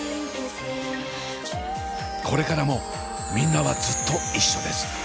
これからもみんなはずっと一緒です。